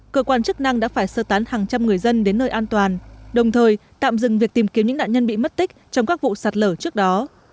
cơ quan chức năng đã phải sơ tán hàng trăm người dân đến nơi an toàn đồng thời tạm dừng việc tìm kiếm những nạn nhân bị mất tích trong các vụ sạt lở trước đó